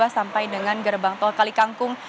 sampai dengan gerbang tol kalikangkung